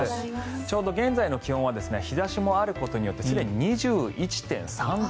ちょうど現在の気温は日差しもあることによってすでに２１．３度。